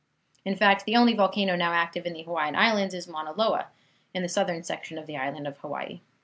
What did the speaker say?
In fact, the only volcano now active in the Hawaiian Islands is Mauna Loa, in the southern section of the Island of Hawaii.